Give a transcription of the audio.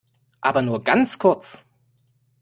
Aber nur ganz kurz!